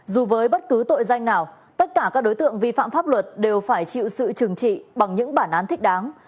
dù với bất cứ tội danh nào tất cả các đối tượng vi phạm pháp luật đều phải chịu sự trừng trị bằng những bản án thích đáng